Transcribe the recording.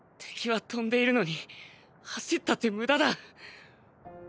敵は飛んでいるのに走ったって無駄だ。